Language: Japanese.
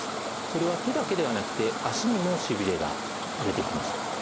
これは手だけではなくて足にもしびれが出てきます。